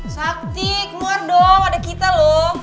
sakti keluar dong ada kita loh